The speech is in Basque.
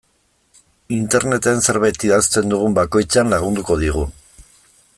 Interneten zerbait idazten dugun bakoitzean lagunduko digu.